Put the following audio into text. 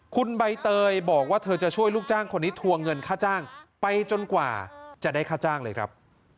คุณใบเตยบอกว่าเธอจะช่วยลูกจ้างคนนี้ทัวร์เงินค่าจ้างไปจนกว่าจะได้ค่าจ้างเลยครับ